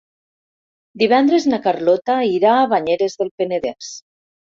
Divendres na Carlota irà a Banyeres del Penedès.